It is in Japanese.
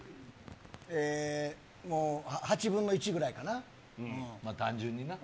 えー、もう８分の１ぐらいか単純にな。